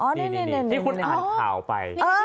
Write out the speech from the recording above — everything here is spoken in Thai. นี่ที่คุณอ่านข่าวไป